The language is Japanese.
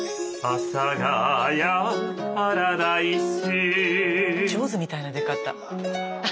「阿佐ヶ谷パラダイス」